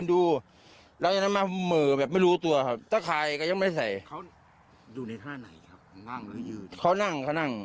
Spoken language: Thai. เดินมาดูเหมือนผู้หญิง